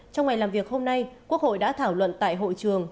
trong ngày làm việc hôm nay quốc hội đã thảo luận tại hội trường